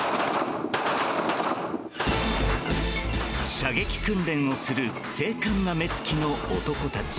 射撃訓練をする精悍な目つきの男たち。